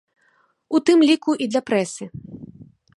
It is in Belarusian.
У тым ліку і для прэсы.